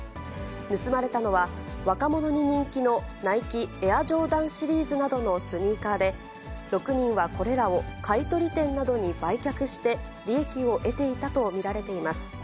盗まれたのは、若者に人気のナイキ、エアジョーダンシリーズなどのスニーカーで、６人はこれらを買い取り店などに売却して、利益を得ていたと見られています。